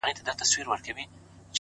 • چي پر خوله به یې راتله هغه کېدله,